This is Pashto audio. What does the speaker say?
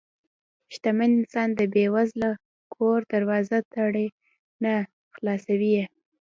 شتمن انسان د بې وزله کور دروازه تړي نه، خلاصوي یې.